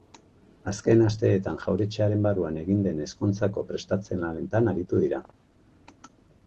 Azken asteetan, jauretxearen barruan egin den ezkontzako prestatze-lanetan aritu dira.